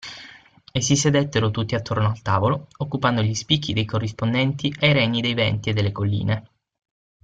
E si sedettero tutti attorno al tavolo, occupando gli spicchi dei corrispondenti ai regni dei venti e delle colline.